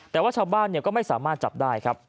แต่ว่าชาวบ้านก็ไม่สามารถจับได้ครับ